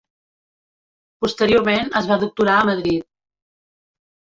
Posteriorment es va doctorar a Madrid.